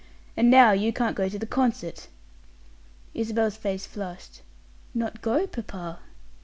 And now you can't go to the concert." Isabel's face flushed. "Not go, papa?"